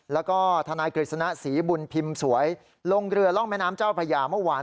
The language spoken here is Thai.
แล้วก็ทนายกฤษณะศรีบุญพิมพ์สวยลงเรือร่องแม่น้ำเจ้าพญาเมื่อวาน